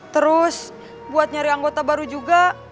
terus buat nyari anggota baru juga